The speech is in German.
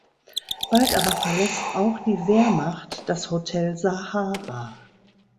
Bald aber verlässt auch die Wehrmacht das Hotel Sahara.